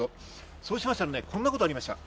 そうしましたら、こんなことがありました。